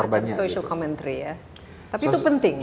jadi itu semacam social commentary ya tapi itu penting